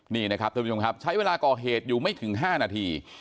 นี่นะครับท่านผู้ชมครับใช้เวลาก่อเหตุอยู่ไม่ถึง๕นาที